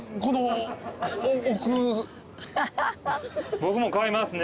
僕も買いますね